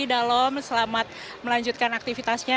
mas dalom selamat melanjutkan aktivitasnya